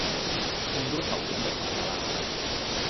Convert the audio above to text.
中到頭獎就發達喇